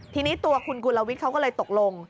ทีนี้ตัวคุณกุลวิทย์เขาก็เลยตกลง